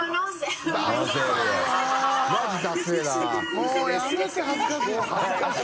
もうやめて恥ずかしい。